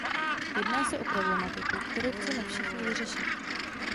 Jedná se o problematiku, kterou chceme všichni vyřešit.